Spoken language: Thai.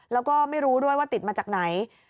แล้วก็ไม่รู้ด้วยว่าติดมาจากไหน